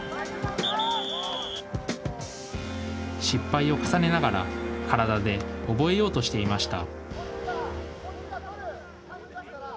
失敗を重ねながら体で覚えようとしていました。